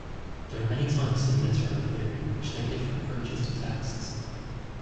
There are many types of literary theory, which take different approaches to texts.